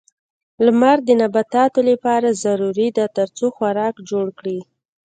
لمر د نباتاتو لپاره ضروري ده ترڅو خوراک جوړ کړي.